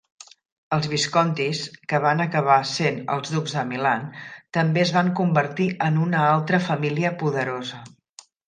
Els Viscontis, que van acabar sent els ducs de Milan, també es van convertir en una altra família poderosa.